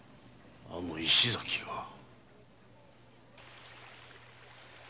あの石崎が。